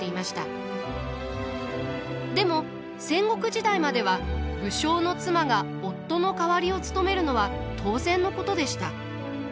でも戦国時代までは武将の妻が夫の代わりを務めるのは当然のことでした。